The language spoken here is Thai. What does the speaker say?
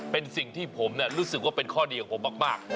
เป็นสิ่งที่ผมรู้สึกว่าเป็นข้อดีของผมมาก